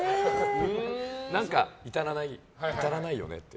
何か至らないよねって。